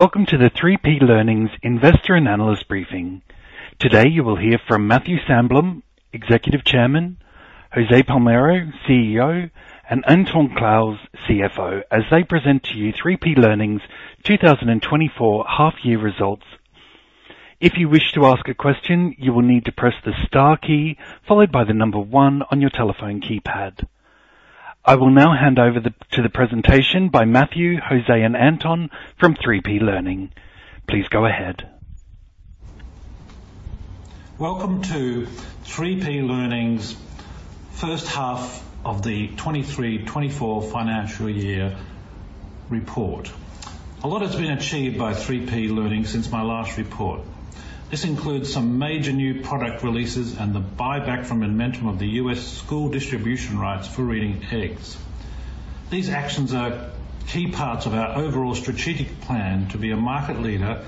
Welcome to the 3P Learning Investor and Analyst Briefing. Today you will hear from Matthew Sandblom, Executive Chairman; Jose Palmero, CEO; and Anton Clowes, CFO, as they present to you 3P Learning 2024 half-year results. If you wish to ask a question, you will need to press the star key followed by the number 1 on your telephone keypad. I will now hand over to the presentation by Matthew, Jose, and Anton from 3P Learning. Please go ahead. Welcome to 3P Learning's first half of the 2023/2024 financial year report. A lot has been achieved by 3P Learning since my last report. This includes some major new product releases and the buyback from Edmentum of the U.S. school distribution rights for Reading Eggs. These actions are key parts of our overall strategic plan to be a market leader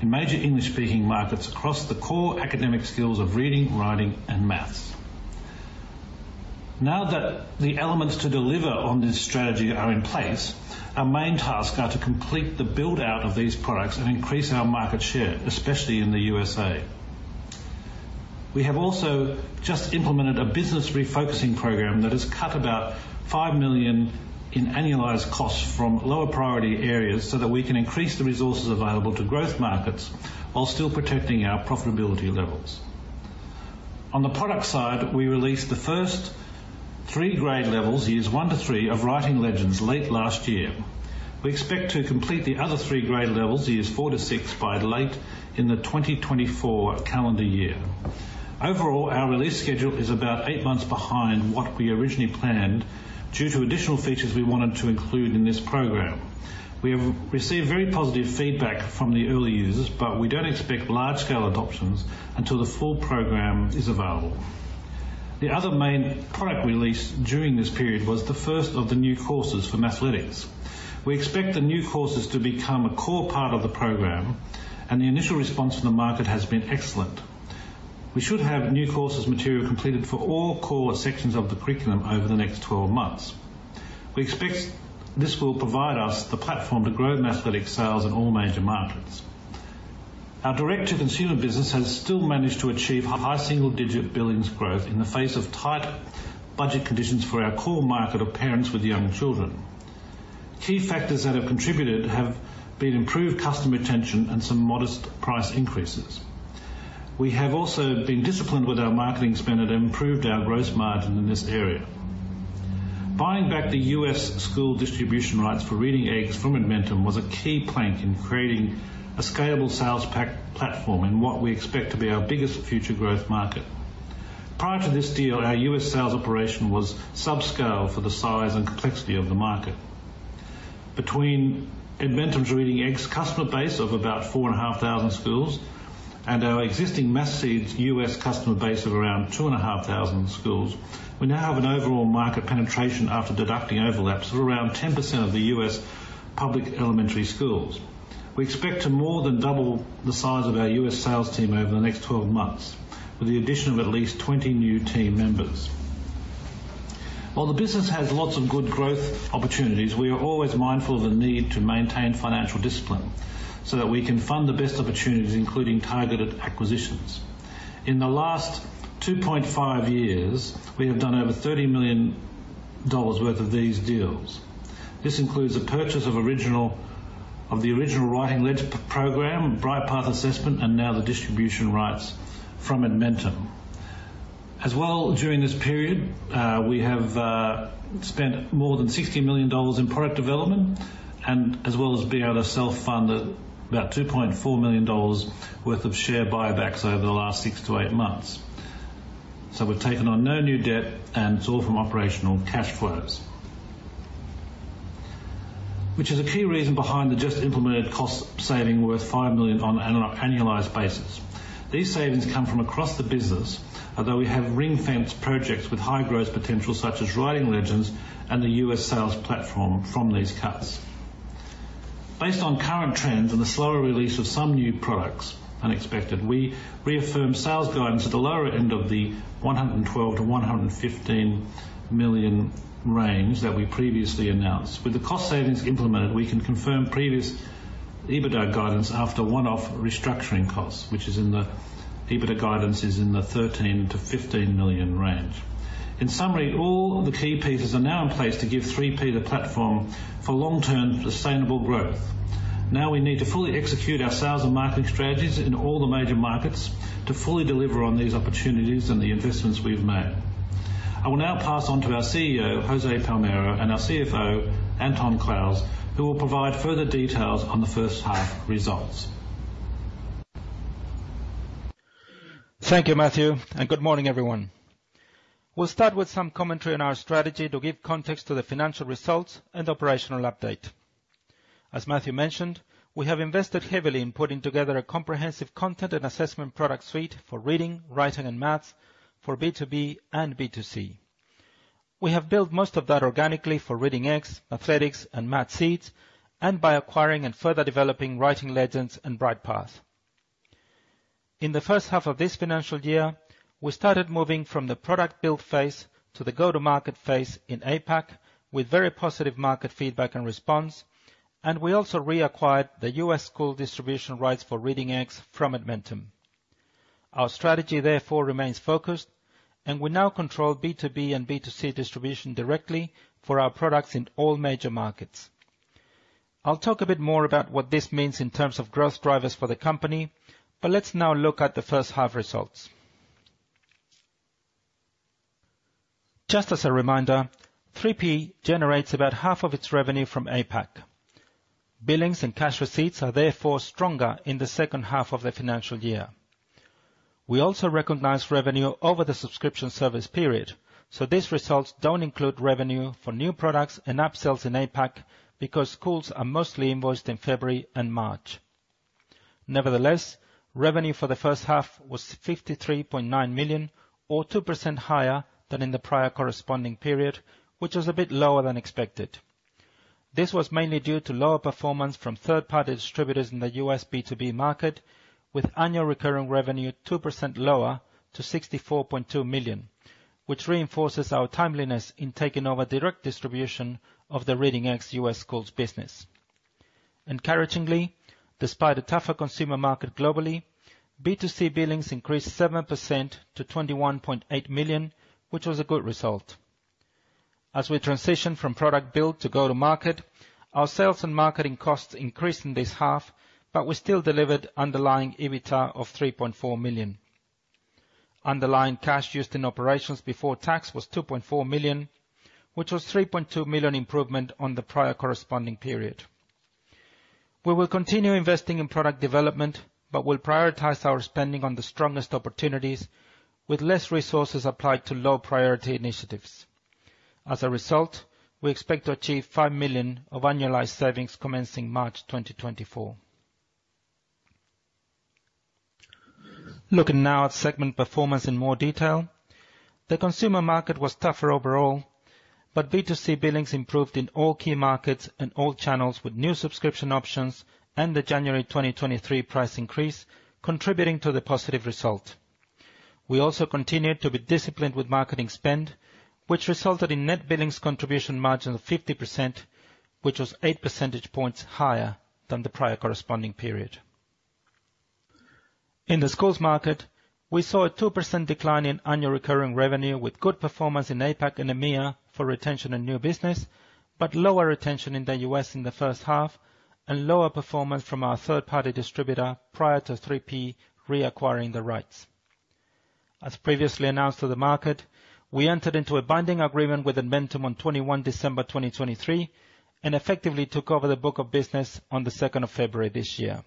in major English-speaking markets across the core academic skills of reading, writing, and math. Now that the elements to deliver on this strategy are in place, our main tasks are to complete the build-out of these products and increase our market share, especially in the U.S.A. We have also just implemented a business refocusing program that has cut about 5 million in annualized costs from lower priority areas so that we can increase the resources available to growth markets while still protecting our profitability levels. On the product side, we released the first three grade levels, Years 1 to 3, of Writing Legends late last year. We expect to complete the other three grade levels, Years 4 to 6, by late in the 2024 calendar year. Overall, our release schedule is about 8 months behind what we originally planned due to additional features we wanted to include in this program. We have received very positive feedback from the early users, but we don't expect large-scale adoptions until the full program is available. The other main product release during this period was the first of the new courses for mathematics. We expect the new courses to become a core part of the program, and the initial response from the market has been excellent. We should have new courses material completed for all core sections of the curriculum over the next 12 months. We expect this will provide us the platform to grow mathematics sales in all major markets. Our direct-to-consumer business has still managed to achieve high single-digit billings growth in the face of tight budget conditions for our core market of parents with young children. Key factors that have contributed have been improved customer retention and some modest price increases. We have also been disciplined with our marketing spend and improved our gross margin in this area. Buying back the U.S. school distribution rights for Reading Eggs from Edmentum was a key plank in creating a scalable sales platform in what we expect to be our biggest future growth market. Prior to this deal, our U.S. sales operation was subscale for the size and complexity of the market. Between Edmentum's Reading Eggs customer base of about 4,500 schools and our existing Mathseeds U.S. customer base of around 2,500 schools, we now have an overall market penetration after deducting overlaps of around 10% of the U.S. public elementary schools. We expect to more than double the size of our U.S. sales team over the next 12 months with the addition of at least 20 new team members. While the business has lots of good growth opportunities, we are always mindful of the need to maintain financial discipline so that we can fund the best opportunities, including targeted acquisitions. In the last 2.5 years, we have done over 30 million dollars worth of these deals. This includes the purchase of the original Writing Legends program, Brightpath Progress, and now the distribution rights from Edmentum. As well, during this period, we have spent more than 60 million dollars in product development and as well as be able to self-fund about 2.4 million dollars worth of share buybacks over the last six to eight months. So we've taken on no new debt, and it's all from operational cash flows, which is a key reason behind the just-implemented cost-saving worth 5 million on an annualized basis. These savings come from across the business, although we have ring-fenced projects with high growth potential such as Writing Legends and the U.S. sales platform from these cuts. Based on current trends and the slower release of some new products, unexpected, we reaffirm sales guidance at the lower end of the 112 million-115 million range that we previously announced. With the cost savings implemented, we can confirm previous EBITDA guidance after one-off restructuring costs, which is in the EBITDA guidance, is in the 13 million-15 million range. In summary, all the key pieces are now in place to give 3P the platform for long-term sustainable growth. Now we need to fully execute our sales and marketing strategies in all the major markets to fully deliver on these opportunities and the investments we've made. I will now pass on to our CEO, Jose Palmero, and our CFO, Anton Clowes, who will provide further details on the first half results. Thank you, Matthew, and good morning, everyone. We'll start with some commentary on our strategy to give context to the financial results and operational update. As Matthew mentioned, we have invested heavily in putting together a comprehensive content and assessment product suite for reading, writing, and math for B2B and B2C. We have built most of that organically for Reading Eggs, Mathletics, and Mathseeds, and by acquiring and further developing Writing Legends and Brightpath. In the first half of this financial year, we started moving from the product build phase to the go-to-market phase in APAC with very positive market feedback and response, and we also reacquired the U.S. school distribution rights for Reading Eggs from Edmentum. Our strategy, therefore, remains focused, and we now control B2B and B2C distribution directly for our products in all major markets. I'll talk a bit more about what this means in terms of growth drivers for the company, but let's now look at the first half results. Just as a reminder, 3P generates about half of its revenue from APAC. Billings and cash receipts are, therefore, stronger in the second half of the financial year. We also recognize revenue over the subscription service period, so these results don't include revenue for new products and app sales in APAC because schools are mostly invoiced in February and March. Nevertheless, revenue for the first half was 53.9 million, or 2% higher than in the prior corresponding period, which was a bit lower than expected. This was mainly due to lower performance from third-party distributors in the U.S. B2B market, with annual recurring revenue 2% lower to 64.2 million, which reinforces our timeliness in taking over direct distribution of the Reading Eggs U.S. schools business. Encouragingly, despite a tougher consumer market globally, B2C billings increased 7% to 21.8 million, which was a good result. As we transitioned from product build to go-to-market, our sales and marketing costs increased in this half, but we still delivered underlying EBITDA of 3.4 million. Underlying cash used in operations before tax was 2.4 million, which was 3.2 million improvement on the prior corresponding period. We will continue investing in product development but will prioritize our spending on the strongest opportunities with less resources applied to low-priority initiatives. As a result, we expect to achieve 5 million of annualized savings commencing March 2024. Looking now at segment performance in more detail, the consumer market was tougher overall, but B2C billings improved in all key markets and all channels with new subscription options and the January 2023 price increase contributing to the positive result. We also continued to be disciplined with marketing spend, which resulted in net billings contribution margin of 50%, which was 8 percentage points higher than the prior corresponding period. In the schools market, we saw a 2% decline in annual recurring revenue with good performance in APAC and EMEA for retention and new business, but lower retention in the U.S. in the first half and lower performance from our third-party distributor prior to 3P reacquiring the rights. As previously announced to the market, we entered into a binding agreement with Edmentum on 21 December 2023 and effectively took over the book of business on the 2nd of February this year.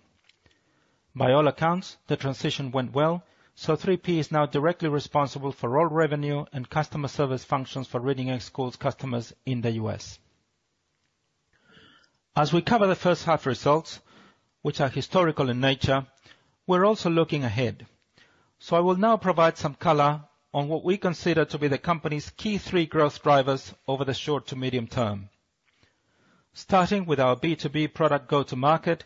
By all accounts, the transition went well, so 3P is now directly responsible for all revenue and customer service functions for Reading Eggs schools' customers in the U.S. As we cover the first half results, which are historical in nature, we're also looking ahead. So I will now provide some color on what we consider to be the company's key three growth drivers over the short to medium term. Starting with our B2B product go-to-market,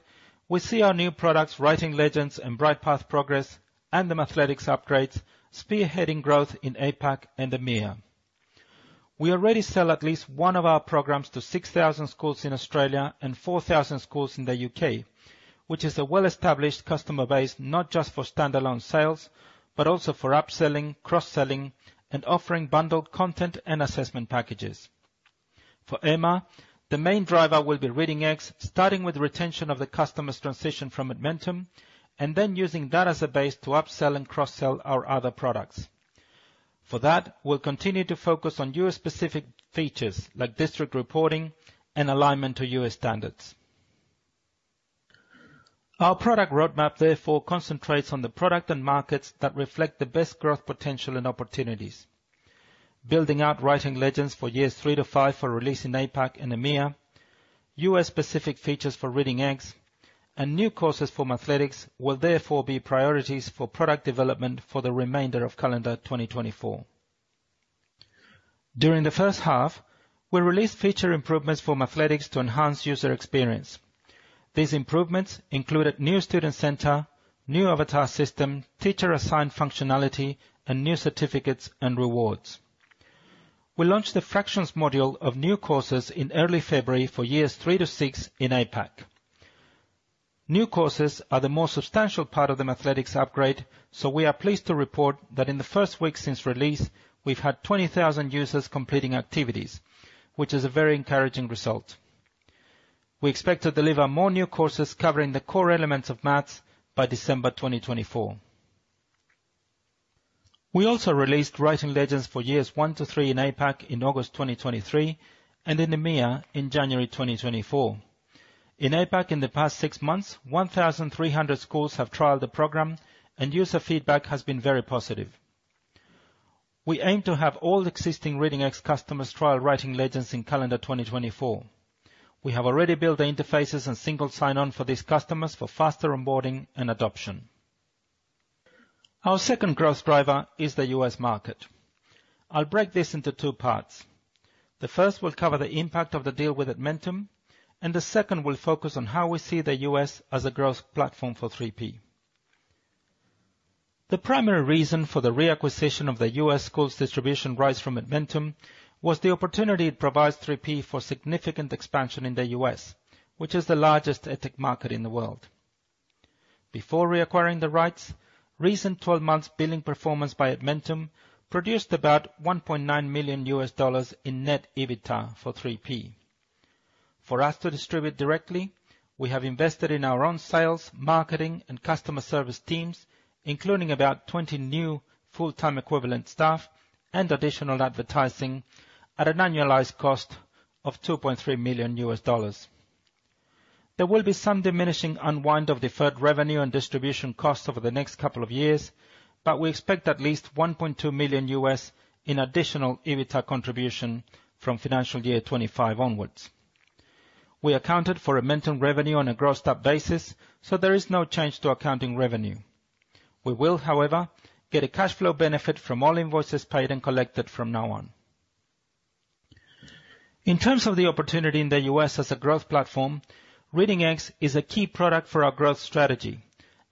we see our new products Writing Legends and Brightpath Progress and the mathematics upgrades spearheading growth in APAC and EMEA. We already sell at least one of our programs to 6,000 schools in Australia and 4,000 schools in the U.K., which is a well-established customer base not just for standalone sales but also for upselling, cross-selling, and offering bundled content and assessment packages. For EMEA, the main driver will be Reading Eggs, starting with retention of the customers' transition from Edmentum and then using that as a base to upsell and cross-sell our other products. For that, we'll continue to focus on U.S.-specific features like district reporting and alignment to U.S. standards. Our product roadmap, therefore, concentrates on the product and markets that reflect the best growth potential and opportunities. Building out Writing Legends for Years 3 to 5 for release in APAC and EMEA, U.S.-specific features for Reading Eggs, and new courses for mathematics will, therefore, be priorities for product development for the remainder of calendar 2024. During the first half, we released feature improvements for mathematics to enhance user experience. These improvements included new student center, new avatar system, teacher-assigned functionality, and new certificates and rewards. We launched the fractions module of new courses in early February for Years 3 to 6 in APAC. New courses are the more substantial part of the mathematics upgrade, so we are pleased to report that in the first week since release, we've had 20,000 users completing activities, which is a very encouraging result. We expect to deliver more new courses covering the core elements of math by December 2024. We also released Writing Legends for Years 1 to 3 in APAC in August 2023 and in EMEA in January 2024. In APAC, in the past six months, 1,300 schools have trialed the program, and user feedback has been very positive. We aim to have all existing Reading Eggs customers trial Writing Legends in calendar 2024. We have already built the interfaces and single sign-on for these customers for faster onboarding and adoption. Our second growth driver is the U.S. market. I'll break this into two parts. The first will cover the impact of the deal with Edmentum, and the second will focus on how we see the U.S. as a growth platform for 3P. The primary reason for the reacquisition of the U.S. schools distribution rights from Edmentum was the opportunity it provides 3P for significant expansion in the U.S., which is the largest edtech market in the world. Before reacquiring the rights, recent 12-month billing performance by Edmentum produced about $1.9 million in net EBITDA for 3P. For us to distribute directly, we have invested in our own sales, marketing, and customer service teams, including about 20 new full-time equivalent staff and additional advertising at an annualized cost of $2.3 million. There will be some diminishing unwind of deferred revenue and distribution costs over the next couple of years, but we expect at least $1.2 million in additional EBITDA contribution from financial year 2025 onwards. We accounted for Edmentum revenue on a grossed-up basis, so there is no change to accounting revenue. We will, however, get a cash flow benefit from all invoices paid and collected from now on. In terms of the opportunity in the U.S. as a growth platform, Reading Eggs is a key product for our growth strategy,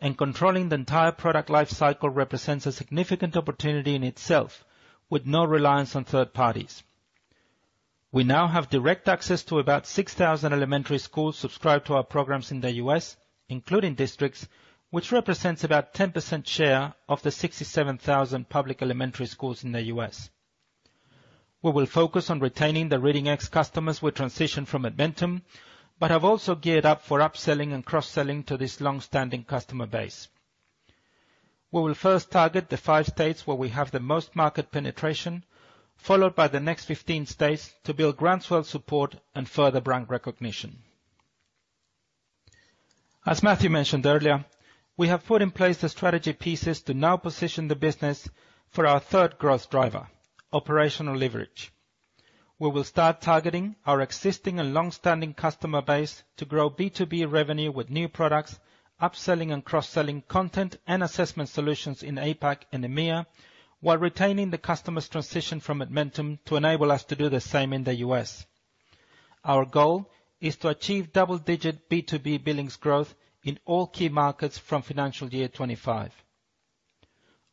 and controlling the entire product lifecycle represents a significant opportunity in itself with no reliance on third parties. We now have direct access to about 6,000 elementary schools subscribed to our programs in the U.S., including districts, which represents about 10% share of the 67,000 public elementary schools in the U.S. We will focus on retaining the Reading Eggs customers we transitioned from Edmentum but have also geared up for upselling and cross-selling to this longstanding customer base. We will first target the five states where we have the most market penetration, followed by the next 15 states to build grassroots support and further brand recognition. As Matthew mentioned earlier, we have put in place the strategy pieces to now position the business for our third growth driver, operational leverage. We will start targeting our existing and longstanding customer base to grow B2B revenue with new products, upselling and cross-selling content and assessment solutions in APAC and EMEA while retaining the customers transitioned from Edmentum to enable us to do the same in the U.S. Our goal is to achieve double-digit B2B billings growth in all key markets from financial year 2025.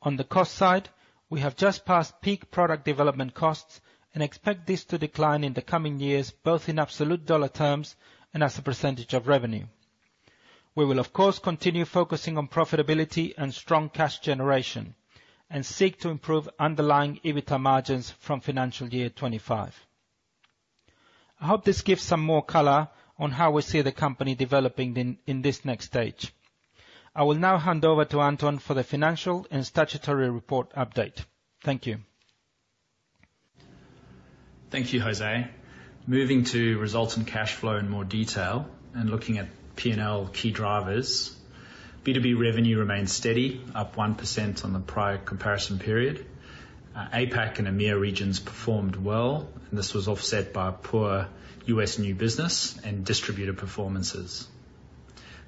On the cost side, we have just passed peak product development costs and expect this to decline in the coming years both in absolute dollar terms and as a percentage of revenue. We will, of course, continue focusing on profitability and strong cash generation and seek to improve underlying EBITDA margins from financial year 2025. I hope this gives some more color on how we see the company developing in this next stage. I will now hand over to Anton for the financial and statutory report update. Thank you. Thank you, Jose. Moving to results and cash flow in more detail and looking at P&L key drivers, B2B revenue remained steady, up 1% on the prior comparison period. APAC and EMEA regions performed well, and this was offset by poor U.S. new business and distributor performances.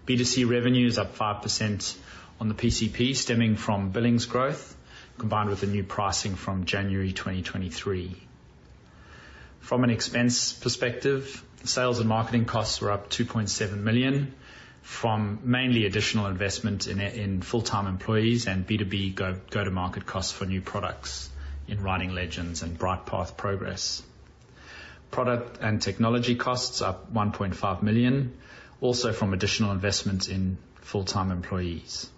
B2C revenue is up 5% on the PCP stemming from billings growth combined with the new pricing from January 2023. From an expense perspective, sales and marketing costs were up 2.7 million from mainly additional investment in full-time employees and B2B go-to-market costs for new products in Writing Legends and Brightpath Progress. Product and technology costs are up 1.5 million, also from additional investments in full-time employees.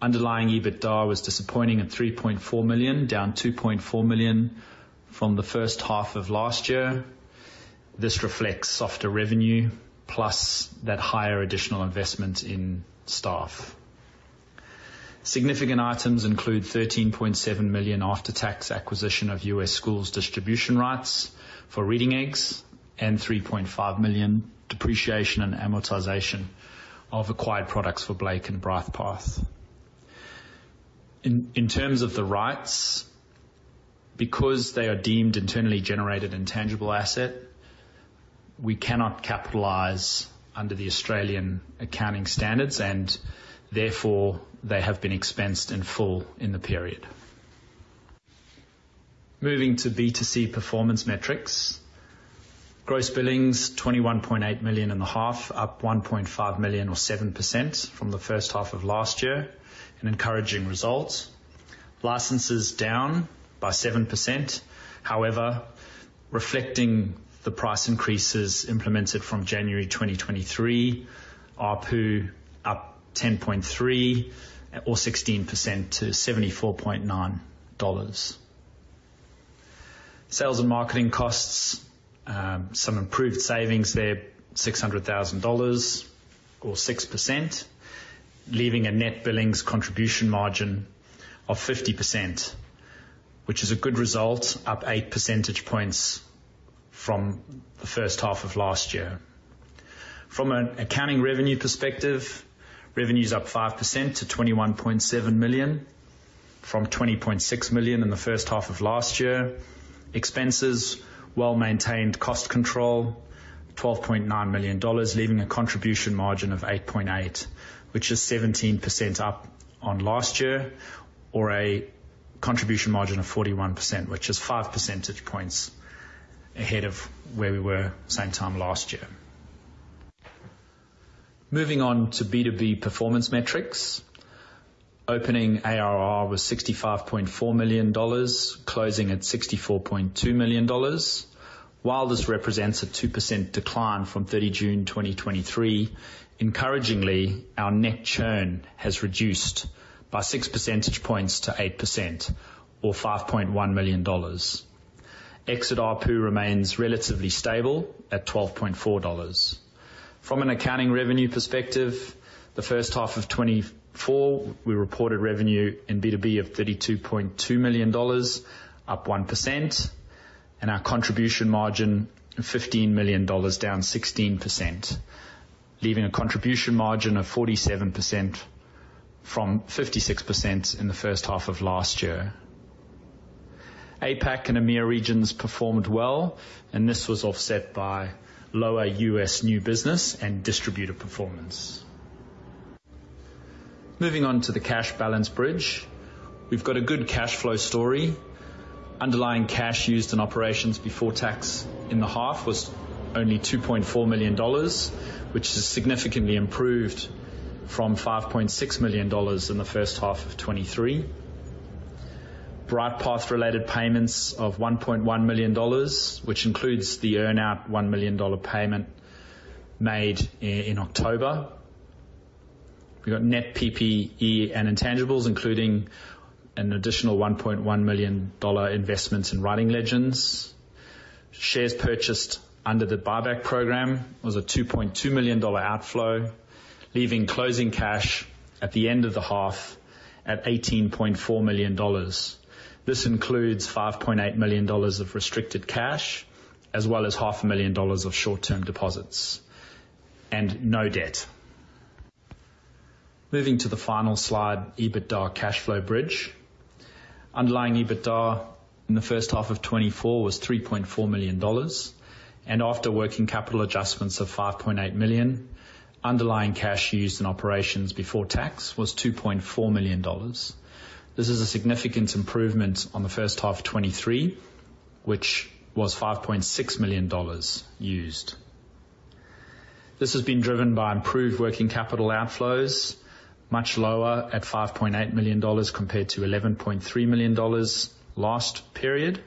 Underlying EBITDA was disappointing at 3.4 million, down 2.4 million from the first half of last year. This reflects softer revenue plus that higher additional investment in staff. Significant items include 13.7 million after-tax acquisition of U.S. schools' distribution rights for Reading Eggs and 3.5 million depreciation and amortization of acquired products for Blake and Brightpath. In terms of the rights, because they are deemed internally generated intangible asset, we cannot capitalize under the Australian accounting standards, and therefore, they have been expensed in full in the period. Moving to B2C performance metrics, gross billings 22.3 million, up 1.5 million or 7% from the first half of last year, an encouraging result. Licenses down by 7%. However, reflecting the price increases implemented from January 2023, RPU up 10.3 or 16% to 74.9 dollars. Sales and marketing costs, some improved savings there, 600,000 dollars or 6%, leaving a net billings contribution margin of 50%, which is a good result, up 8 percentage points from the first half of last year. From an accounting revenue perspective, revenues up 5% to 21.7 million from 20.6 million in the first half of last year. Expenses, well-maintained cost control, 12.9 million dollars leaving a contribution margin of 8.8, which is 17% up on last year or a contribution margin of 41%, which is 5 percentage points ahead of where we were same time last year. Moving on to B2B performance metrics, op.ning ARR was 65.4 million dollars, closing at 64.2 million dollars. While this represents a 2% decline from 30 June 2023, encouragingly, our net churn has reduced by 6 percentage points to 8% or 5.1 million dollars. Exit RPU remains relatively stable at 12.4 dollars. From an accounting revenue perspective, the first half of 2024, we reported revenue in B2B of 32.2 million dollars, up 1%, and our contribution margin of 15 million dollars, down 16%, leaving a contribution margin of 47% from 56% in the first half of last year. APAC and EMEA regions performed well, and this was offset by lower U.S. new business and distributor performance. Moving on to the cash balance bridge, we've got a good cash flow story. Underlying cash used in operations before tax in the half was only 2.4 million dollars, which is significantly improved from 5.6 million dollars in the first half of 2023. Bright Path-related payments of 1.1 million dollars, which includes the earn-out 1 million dollar payment made in October. We've got net PPE and intangibles, including an additional 1.1 million dollar investments in Writing Legends. Shares purchased under the buyback program was a 2.2 million dollar outflow, leaving closing cash at the end of the half at 18.4 million dollars. This includes 5.8 million dollars of restricted cash as well as 500,000 dollars of short-term deposits and no debt. Moving to the final slide, EBITDA cash flow bridge. Underlying EBITDA in the first half of 2024 was 3.4 million dollars, and after working capital adjustments of 5.8 million, underlying cash used in operations before tax was 2.4 million dollars. This is a significant improvement on the first half of 2023, which was 5.6 million dollars used. This has been driven by improved working capital outflows, much lower at 5.8 million dollars compared to 11.3 million dollars last period,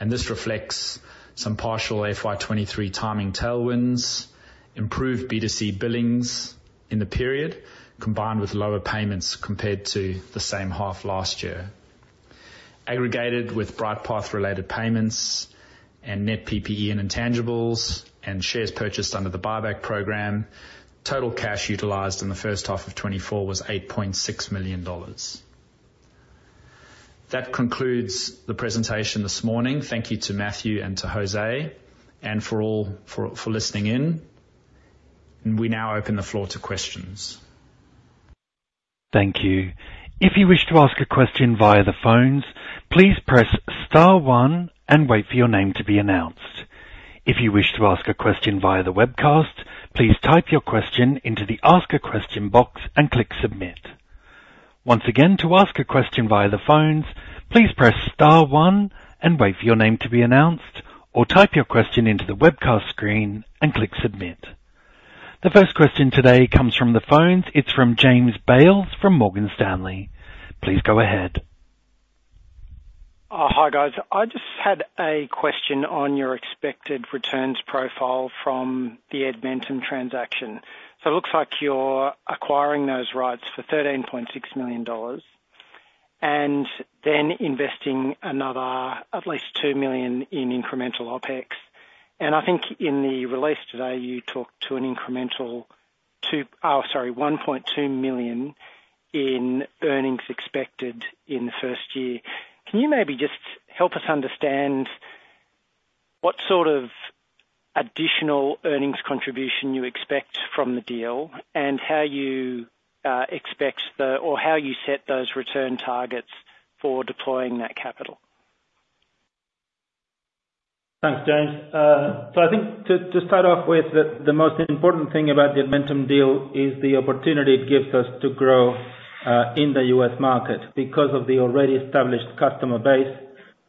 and this reflects some partial FY 2023 timing tailwinds, improved B2C billings in the period combined with lower payments compared to the same half last year. Aggregated with Brightpath-related payments and net PPE and intangibles and shares purchased under the buyback program, total cash utilized in the first half of 2024 was 8.6 million dollars. That concludes the presentation this morning. Thank you to Matthew and to Jose and for listening in. We now open the floor to questions. Thank you. If you wish to ask a question via the phones, please press star one and wait for your name to be announced. If you wish to ask a question via the webcast, please type your question into the Ask a Question box and click Submit. Once again, to ask a question via the phones, please press star one and wait for your name to be announced or type your question into the webcast screen and click Submit. The first question today comes from the phones. It's from James Bales from Morgan Stanley. Please go ahead. Hi, guys. I just had a question on your expected returns profile from the Edmentum transaction. So it looks like you're acquiring those rights for $13.6 million and then investing another at least $2 million in incremental OpEx. And I think in the release today, you talked to an incremental oh, sorry, $1.2 million in earnings expected in the first year. Can you maybe just help us understand what sort of additional earnings contribution you expect from the deal and how you expect the or how you set those return targets for deploying that capital? Thanks, James. So I think to start off with, the most important thing about the Edmentum deal is the opportunity it gives us to grow in the U.S. market because of the already established customer base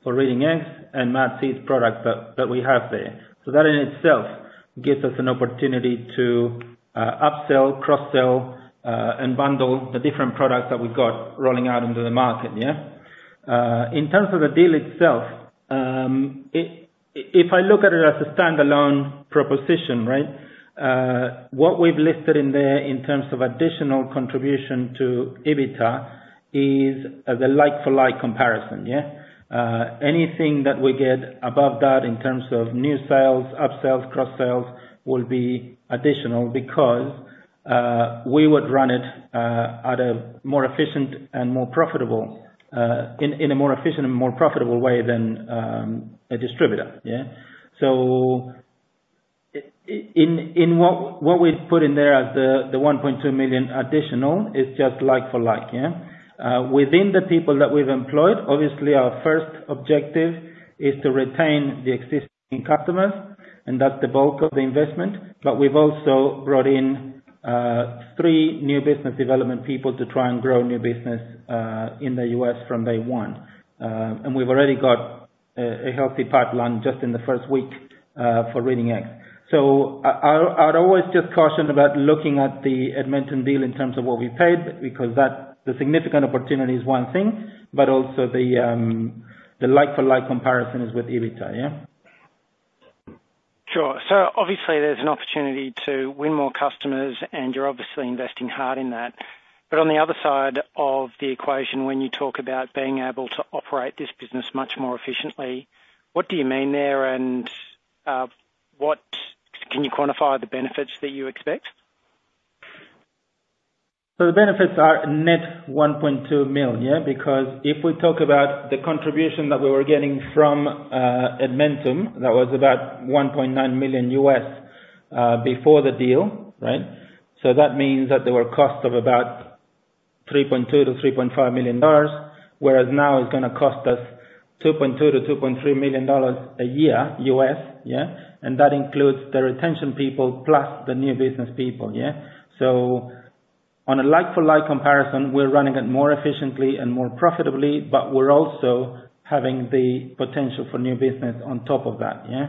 for Reading Eggs and Mathseeds product that we have there. So that in itself gives us an opportunity to upsell, cross-sell, and bundle the different products that we've got rolling out into the market, yeah? In terms of the deal itself, if I look at it as a standalone proposition, right, what we've listed in there in terms of additional contribution to EBITDA is the like-for-like comparison, yeah? Anything that we get above that in terms of new sales, upsales, cross-sales will be additional because we would run it at a more efficient and more profitable in a more efficient and more profitable way than a distributor, yeah? So in what we've put in there as the 1.2 million additional, it's just like-for-like, yeah? Within the people that we've employed, obviously, our first objective is to retain the existing customers, and that's the bulk of the investment. But we've also brought in three new business development people to try and grow new business in the U.S. from day one. And we've already got a healthy pipeline just in the first week for Reading Eggs. So I'd always just caution about looking at the Edmentum deal in terms of what we paid because the significant opportunity is one thing, but also the like-for-like comparison is with EBITDA, yeah? Sure. So obviously, there's an opportunity to win more customers, and you're obviously investing hard in that. But on the other side of the equation, when you talk about being able to operate this business much more efficiently, what do you mean there, and can you quantify the benefits that you expect? So the benefits are net $1.2 million, yeah? Because if we talk about the contribution that we were getting from Edmentum, that was about $1.9 million before the deal, right? So that means that there were costs of about $3.2 million-$3.5 million, whereas now it's going to cost us $2.2 million-$2.3 million a year, yeah? And that includes the retention people plus the new business people, yeah? So on a like-for-like comparison, we're running it more efficiently and more profitably, but we're also having the potential for new business on top of that, yeah?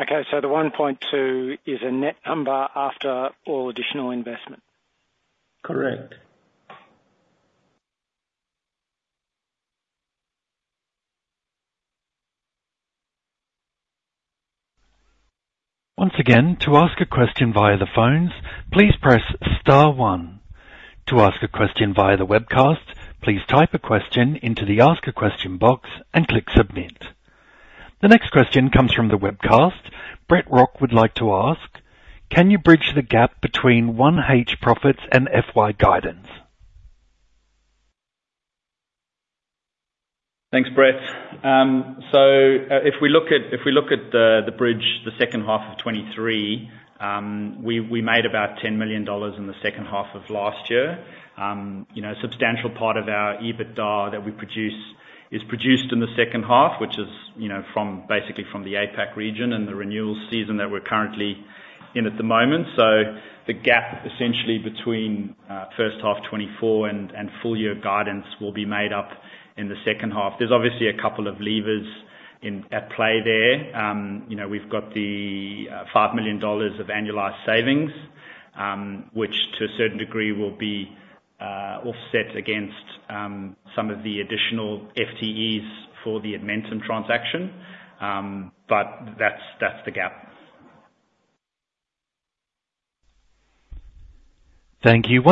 Okay. So the 1.2 is a net number after all additional investment? Correct. Once again, to ask a question via the phones, please press star one. To ask a question via the webcast, please type a question into the Ask a Question box and click Submit. The next question comes from the webcast. Brett Rock would like to ask, "Can you bridge the gap between 1H profits and FY guidance? Thanks, Brett. So if we look at the bridge, the second half of 2023, we made about 10 million dollars in the second half of last year. A substantial part of our EBITDA that we produce is produced in the second half, which is basically from the APAC region and the renewal season that we're currently in at the moment. So the gap essentially between first half 2024 and full-year guidance will be made up in the second half. There's obviously a couple of levers at play there. We've got the 5 million dollars of annualized savings, which to a certain degree will be offset against some of the additional FTEs for the Edmentum transaction. But that's the gap. Thank you.